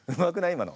今の。